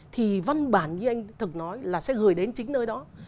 thì văn bản như anh thực nói là sẽ gửi đến chính nơi đó